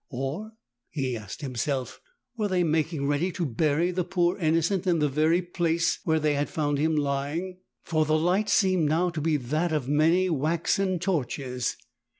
Or, he asked 17 himself, were they making ready to bury the poor innocent in the very place where they had found him lying? For the light seemed now to be that of many waxen torches.